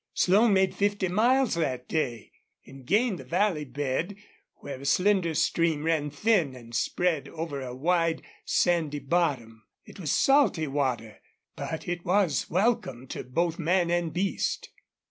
Slone made fifty miles that day, and gained the valley bed, where a slender stream ran thin and spread over a wide sandy bottom. It was salty water, but it was welcome to both man and beast.